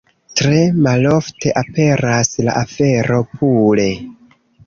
Tre malofte aperas la fero pure.